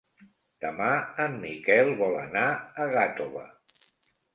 Demà en Miquel vol anar a Gàtova.